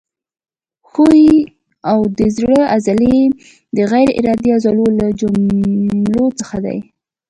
ښویې او د زړه عضلې د غیر ارادي عضلو له جملو څخه دي.